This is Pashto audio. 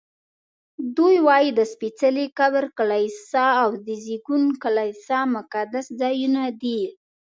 دوی وایي د سپېڅلي قبر کلیسا او د زېږون کلیسا مقدس ځایونه دي.